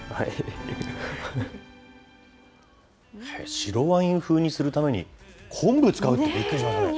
白ワイン風にするために、昆布使うってびっくりしましたね。